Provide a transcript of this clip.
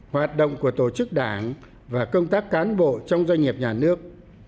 hoạt động của tổ chức đảng và công tác cán bộ trong doanh nghiệp nhà nước